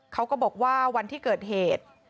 เขาก็บอกว่าวันที่เกิดเหตุ